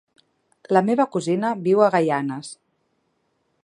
La meva cosina viu a Gaianes.